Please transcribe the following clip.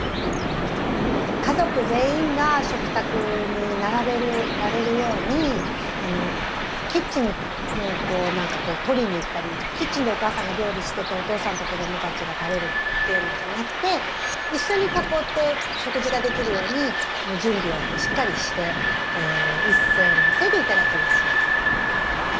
家族全員が食卓に並べられるようにキッチンに何かこう取りに行ったりキッチンでお母さんが料理しててお父さんと子どもたちが食べるっていうのじゃなくて一緒に囲って食事ができるように準備をしっかりしていっせのせでいただきますします。